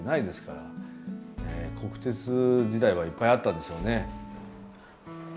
国鉄時代はいっぱいあったんでしょうね。